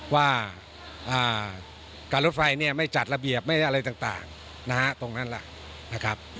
ว่าการรถไฟเนี่ยไม่จัดระเบียบไม่อะไรต่างนะฮะตรงนั้นล่ะนะครับ